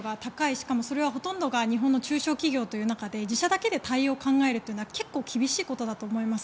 しかもそれはほとんどが日本の中小企業という中で自社だけで対応を考えるのは結構厳しいことだと思います。